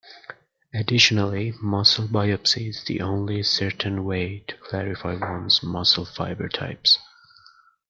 Additionally muscle biopsy is the only certain way to clarify ones muscle fiber types.